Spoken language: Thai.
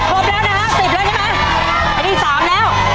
ห่วตครบแล้วนะฮะสิบแล้วใช่มั้ยไอดีสามแล้ว